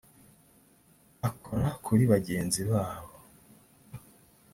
akora kuri bagenzi babo